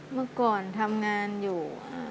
เมื่อก่อนทำงานอยู่